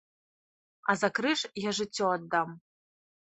А за крыж я жыццё аддам.